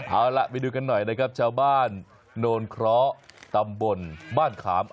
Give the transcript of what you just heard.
เอาล่ะไปดูกันหน่อยนะครับชาวบ้านโนนเคราะห์ตำบลบ้านขาม